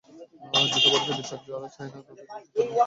যুদ্ধাপরাধের বিচার যারা চায় না, তাদের যোগসূত্র নেই, এমন বলারও অবকাশ নেই।